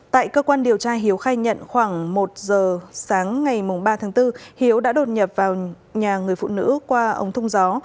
tại cơ quan điều tra hiếu khai nhận khoảng một giờ sáng ngày ba tháng bốn hiếu đã đột nhập vào nhà người phụ nữ qua ống thung gió